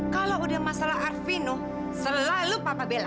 kalau udah masalah arvino selalu papa bela